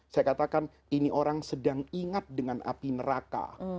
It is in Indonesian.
saya katakan ini orang sedang ingat dengan api neraka